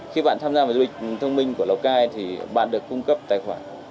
khi bạn tham gia vào du lịch thông minh của lào cai thì bạn được cung cấp tài khoản